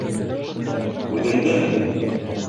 — Үҙемдеме?